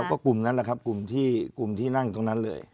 ใช่ครับกลุ่มนั้นแหละครับกลุ่มที่นั่งอยู่ตรงนั้นเลย